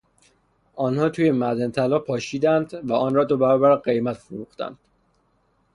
آنها توی معدن طلا پاشیدند و آنرا دو برابر قیمت فروختند.